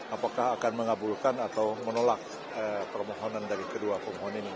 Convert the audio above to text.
apakah akan mengabulkan atau menolak permohonan dari kedua pemohon ini